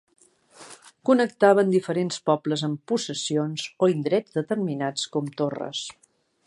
Connectaven diferents pobles amb possessions o indrets determinats com torres.